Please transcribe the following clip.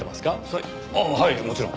祭ああはいもちろん。